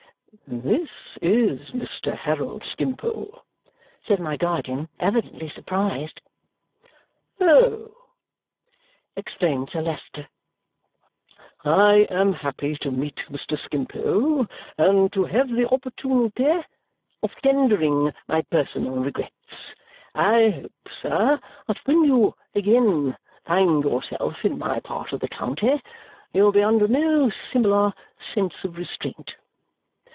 "This is Mr. Harold Skimpole," said my guardian, evidently surprised. "Oh!" exclaimed Sir Leicester, "I am happy to meet Mr. Skimpole and to have the opportunity of tendering my personal regrets. I hope, sir, that when you again find yourself in my part of the county, you will be under no similar sense of restraint."